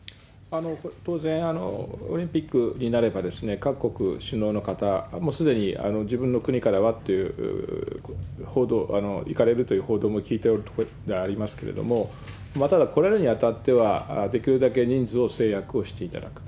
当然オリンピックになれば、各国首脳の方、もうすでに自分の国からはっていう報道、行かれるという報道も聞いておるところでありますけれども、ただ、来られるにあたっては、できるだけ人数を制約をしていただく。